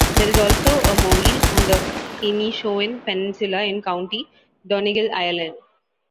There is also a Moville on the Inishowen Peninsula in County Donegal, Ireland.